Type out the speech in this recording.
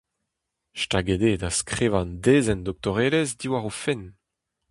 Staget eo da skrivañ un dezenn doktorelezh diwar o fenn.